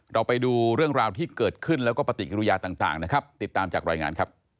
เราไปดูเรื่องราวที่เกิดขึ้นและปฏิกิรุยาต่างติดตามจากรอยงาน